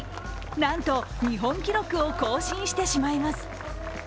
なんと日本記録を更新してしまいます。